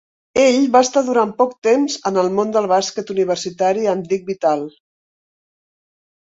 Ell va estar durant poc temps en el món del bàsquet universitari amb Dick Vitale.